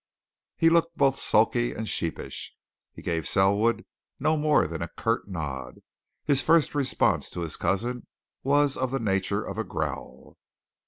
He looked both sulky and sheepish; he gave Selwood no more than a curt nod; his first response to his cousin was of the nature of a growl.